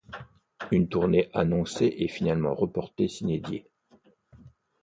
Une tournée annoncée est finalement reportée sine die.